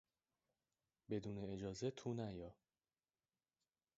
بدون اجازه تو نیا!